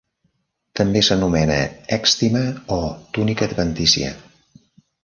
També s'anomena èxtima o túnica adventícia.